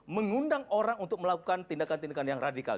mengundang orang untuk melakukan tindakan tindakan yang radikal